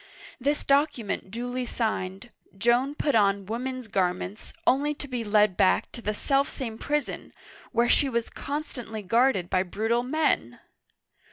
This document duly signed, Joan put on women's garments, only to be led back to the self same prison, where she was constantly guarded by brutal men